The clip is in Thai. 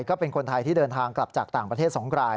ก็เป็นคนไทยที่เดินทางกลับจากต่างประเทศ๒ราย